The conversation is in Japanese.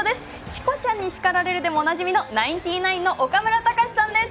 「チコちゃんに叱られる！」でおなじみのナインティナインの岡村隆史さんです。